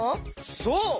そう！